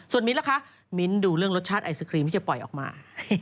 ส่วนมิ้นล่ะคะมิ้นดูเรื่องรสชาติไอศครีมที่จะปล่อยออกมา